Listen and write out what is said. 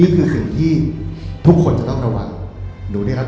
กอยตรงประเด็นนนะคะ